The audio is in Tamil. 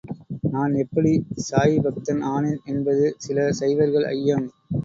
நான் எப்படி சாயிபக்தன் ஆனேன் என்பது சில சைவர்கள் ஐயம்.